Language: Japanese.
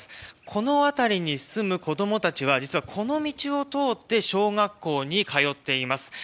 この辺りに住む子供たちは実は、この道を通って小学校に通っています。